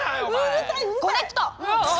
コネクト！